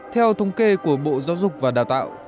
theo thống kê của bộ giáo dục và đào tạo